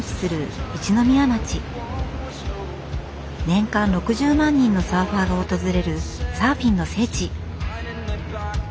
年間６０万人のサーファーが訪れるサーフィンの聖地。